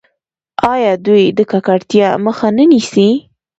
آیا دوی د ککړتیا مخه نه نیسي؟